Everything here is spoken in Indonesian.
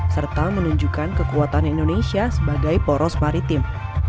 serta menunjukkan kekuatan indonesia sebagai poros maritim